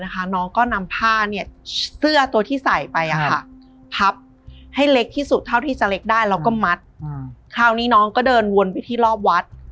น้องก็นำผ้าเสื้อตัวที่ใส่ไปพับให้เล็กที่สุดเท่าที่จะเล็กได้แล้วก็มัดคราวนี้น้องก็เดินวนไปที่รอบวัด